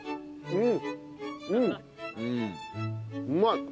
うん。